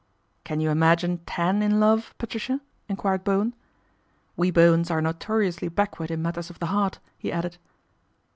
"Can you imagine Tan in love, Patricia i enquired Bowen. " We Bowens are notorious backward in matters of the heart," he added.